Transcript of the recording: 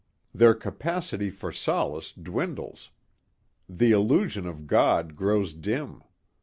Their capacity for solace dwindles. The illusion of God grows dim.